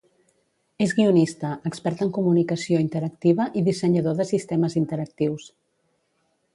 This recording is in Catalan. És guionista, expert en comunicació interactiva i dissenyador de sistemes interactius.